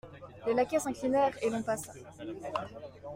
Les laquais s'inclinèrent et l'on passa.